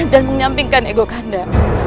dan menyampingkan ego kanda